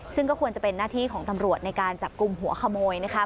ซึ่งก็ควรจะเป็นหน้าที่ของตำรวจในการจับกลุ่มหัวขโมยนะคะ